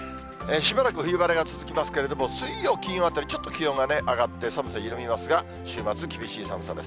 しばらく冬晴れが続きますけども、水曜、金曜あたりちょっと気温がね、上がって寒さ緩みますが、週末、厳しい寒さです。